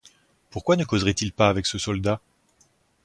Pourquoi ne causerait-il pas avec ce soldat?